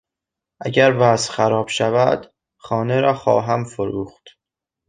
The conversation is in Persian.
اگر وضع خراب شود، خانه را خواهم فروخت.